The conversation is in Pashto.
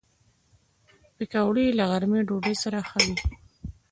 پکورې له غرمې ډوډۍ سره ښه وي